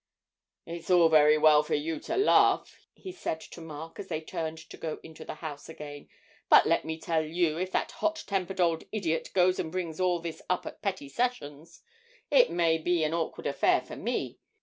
'It's all very well for you to laugh,' he said to Mark, as they turned to go into the house again; 'but let me tell you if that hot tempered old idiot goes and brings all this up at Petty Sessions, it may be an awkward affair for me.